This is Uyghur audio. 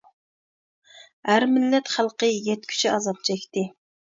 ھەر مىللەت خەلقى يەتكۈچە ئازاب چەكتى.